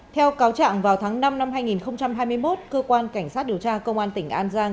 theo cáo trạng vào tháng năm năm hai nghìn hai mươi một cơ quan cảnh sát điều tra công an tỉnh an giang